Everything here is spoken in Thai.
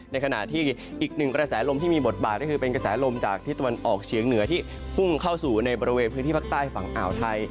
ในขณะที่อีกหนึ่งกระแสลมที่มีบทบาทก็คือเป็นกระแสลมจากที่ตะวันออกเฉียงเหนือที่พุ่งเข้าสู่ในบริเวณพื้นที่ภาคใต้ฝั่งอ่าวไทย